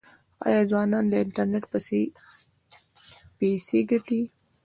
آیا ځوانان له انټرنیټ پیسې ګټي؟